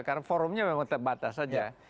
karena forumnya memang terbatas saja